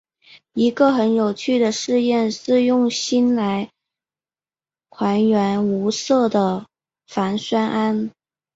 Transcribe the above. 一个很有趣的试验是用锌来还原无色的钒酸铵。